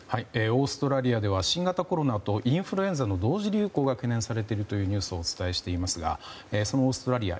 オーストラリアでは新型コロナとインフルエンザの同時流行が懸念されているというニュースをお伝えしていますがそのオーストラリア